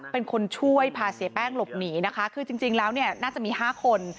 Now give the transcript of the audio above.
เป็นคนช่วยพาเสียแป้งหลบหนีนะคะคือจริงแล้วเนี่ยน่าจะมี๕คน